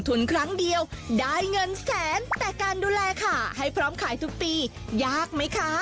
แต่การดูแลค่าให้พร้อมขายทุกปียากไหมคะ